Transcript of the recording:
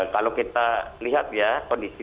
kalau kita lihat ya kondisi